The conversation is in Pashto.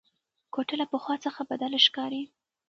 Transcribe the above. کوټه له پخوا څخه بدله ښکاري.